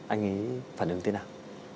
anh ấy phản ứng thế nào